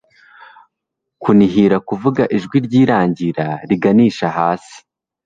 kunihira kuvuga ijwi ryirangira, riganisha hasi